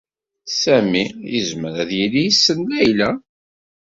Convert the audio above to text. Sami yezmer ad yili yessen Layla.